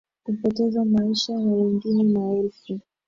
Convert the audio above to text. kupoteza maisha na wengine maelfu